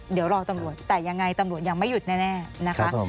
เดี๋ยวรอตำรวจแต่ยังไงตำรวจยังไม่หยุดแน่นะคะ